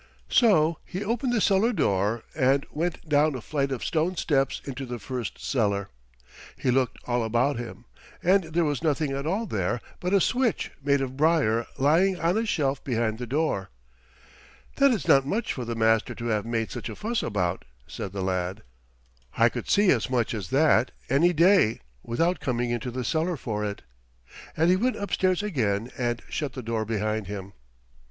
So he opened the cellar door and went down a flight of stone steps into the first cellar. He looked all about him, and there was nothing at all there but a switch made of brier lying on a shelf behind the door. "That is not much for the Master to have made such a fuss about," said the lad. "I could see as much as that any day without coming into a cellar for it;" and he went upstairs again and shut the door behind him.